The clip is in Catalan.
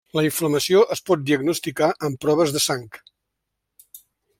La inflamació es pot diagnosticar amb proves de sang.